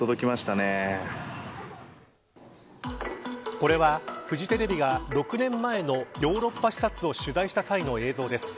これはフジテレビが６年前のヨーロッパ視察を取材した際の映像です。